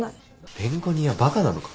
弁護人はバカなのか？